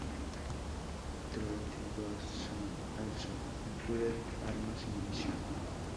Trade goods soon also included armas y munición.